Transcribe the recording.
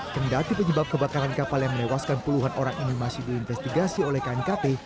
kendati penyebab kebakaran kapal yang menewaskan puluhan orang ini masih diinvestigasi oleh knkt